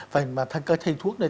phải mà thầy thuốc này